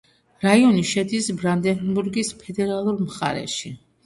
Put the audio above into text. რაიონი შედის ბრანდენბურგის ფედერალურ მხარეში.